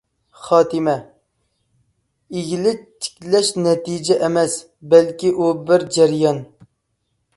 خاتىمە: ئىگىلىك تىكلەش نەتىجە ئەمەس، بەلكى ئۇ بىر جەريان.